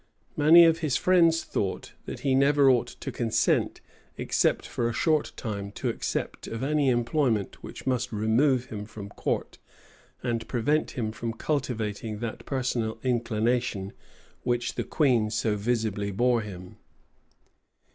Many of his friends thought, that he never ought to consent, except for a short time, to accept of any employment which must remove him from court, and prevent him from cultivating that personal inclination which the queen so visibly bore him.